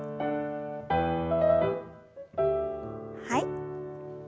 はい。